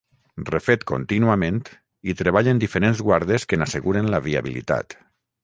Refet contínuament, hi treballen diferents guardes que n'asseguren la viabilitat.